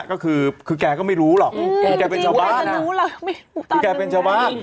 ก็คือแกก็ไม่รู้หรอกแกเป็นชาวบ้าน